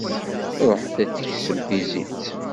Ruḥet ad teksem tizit.